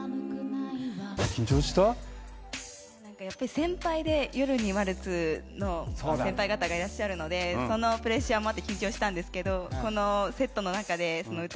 先輩で夜にワルツの先輩方がいらっしゃるのでそのプレッシャーもあって緊張したんですけどこのセットの中で歌えるのが本当に楽しかったです。